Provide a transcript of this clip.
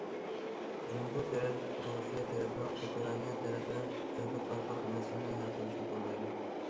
جۇڭگو تەرەپ رۇسىيە تەرەپنىڭ ئۇكرائىنا تەرەپ بىلەن سۆھبەت ئارقىلىق مەسىلىنى ھەل قىلىشىنى قوللايدۇ.